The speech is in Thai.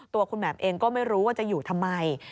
ตัวคุณแหม่มเองก็ไม่รู้ว่าจะอยู่ทำไม